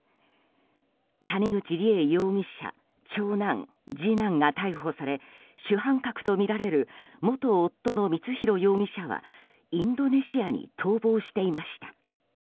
谷口梨恵容疑者長男、次男が逮捕され主犯格とみられる元夫の光弘容疑者はインドネシアに逃亡していました。